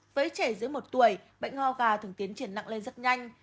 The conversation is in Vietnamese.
với trẻ giữa một tuổi bệnh hoa gà thường tiến triển nặng lên rất nhanh